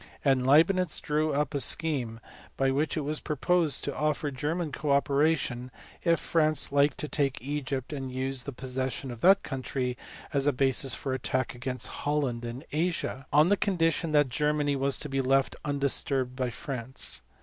and Leibnitz drew up a scheme by which it was proposed to offer German co operation, if France liked to take Egypt and use the possession of that country as a basis for attack against Holland in Asia, on the condition that Germany was to be left undisturbed by France.